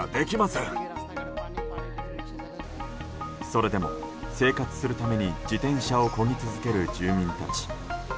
それでも、生活するために自転車をこぎ続ける住民たち。